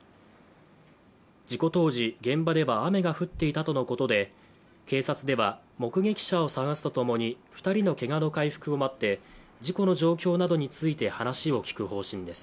事故当時、現場では雨が降っていたとのことで、警察では目撃者を探すとともに２人のけがの回復を待って事故の状況などについて話を聴く方針です。